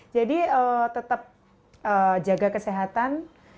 jadi tetap jaga kesehatan